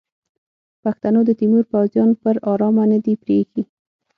پښتنو د تیمور پوځیان پر ارامه نه دي پریښي.